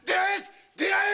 出会え！